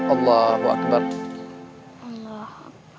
allah wa'alaikum warahmatullah